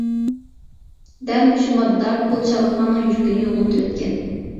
دەل مۇشۇ ماددا پولشالىقلارنىڭ يۈرىكىنى يوغىنىتىۋەتكەن.